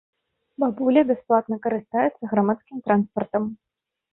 Бабуля бясплатна карыстаецца грамадскім транспартам.